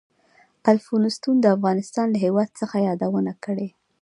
الفونستون د افغانستان له هېواد څخه یادونه کړې.